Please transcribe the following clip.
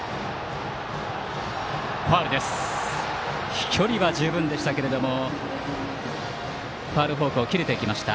飛距離は十分でしたけどもファウル方向、切れていきました。